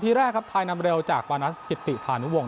ทีแรกครับไทยนำเร็วจากปานัสกิติพานุวงศ